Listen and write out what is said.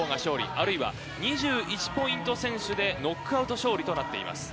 あるいは、２１ポイント先取で、ノックアウト勝利となっています。